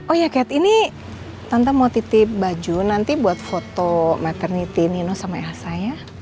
oh ya cat ini tante mau titip baju nanti buat foto maternity nino sama ayah saya